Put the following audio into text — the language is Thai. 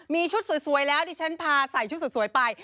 มีชุดสวยแล้วดิฉันพาใส่ชุดสวยไป